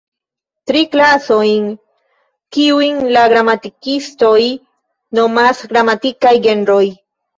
Tri klasojn, kiujn la gramatikistoj nomas gramatikaj genroj.